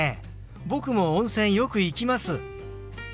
僕も温泉よく行きます。